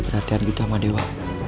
perhatian gitu sama dewa